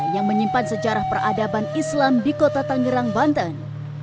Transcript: yang menyimpan sejarah peradaban islam di kota tangerang banten